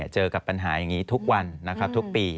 เจอกับปัญหาอย่างนี้ทุกวันนะครับทุกปี